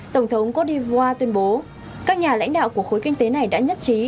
tổng thống kody vua tuyên bố các nhà lãnh đạo của khối kinh tế này đã nhất trí